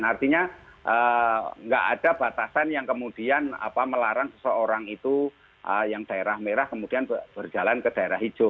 artinya nggak ada batasan yang kemudian melarang seseorang itu yang daerah merah kemudian berjalan ke daerah hijau